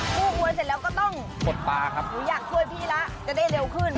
กู้อวยเสร็จแล้วก็ต้องกดปลาครับหนูอยากช่วยพี่แล้วจะได้เร็วขึ้น